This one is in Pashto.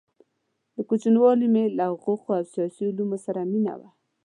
د كوچنیوالي مي له حقو قو او سیاسي علومو سره مینه وه؛